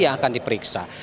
yang akan diperiksa